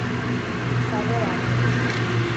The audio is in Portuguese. Favelada